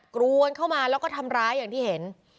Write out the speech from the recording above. กรวนเข้ามาแล้วก็ทำร้ายอย่างที่เห็น